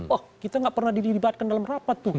wah kita nggak pernah didibatkan dalam rapat tuh